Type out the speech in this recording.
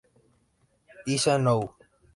Iza, Now!